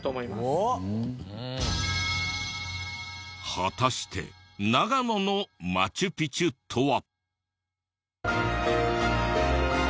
果たして長野のマチュピチュとは。